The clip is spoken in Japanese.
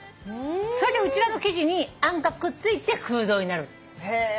それで内側の生地にあんがくっついて空洞になる。